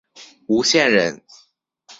吴县人。